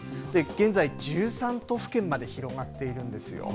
現在１３都府県まで広がっているんですよ。